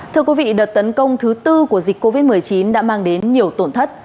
thưa quý vị đợt tấn công thứ tư của dịch covid một mươi chín đã mang đến nhiều tổn thất